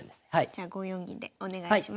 じゃあ５四銀でお願いします。